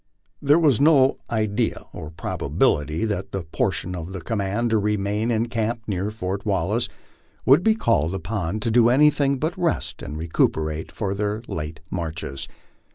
There was no idea or probability that the portion of the command to remain in camp near Fort Wallace would be called upon to do anything but rest and recuperate from their late marches.